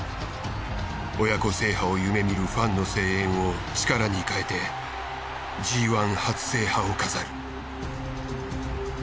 親子制覇を夢見るファンの声援を力に変えてＧ初制覇を飾る。